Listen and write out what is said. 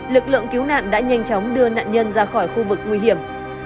lực lượng cứu nạn đã nhanh chóng đưa nạn nhân ra khỏi khu vực nguy hiểm